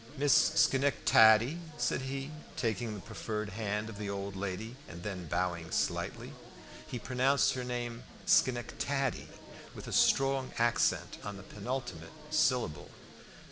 "Miss Schenectady?" said he, taking the proffered hand of the old lady and then bowing slightly. He pronounced her name Schenectady, with a strong accent on the penultimate syllable.